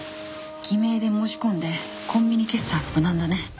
偽名で申し込んでコンビニ決済が無難だね。